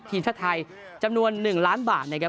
ทีมชาติไทยจำนวน๑ล้านบาทนะครับ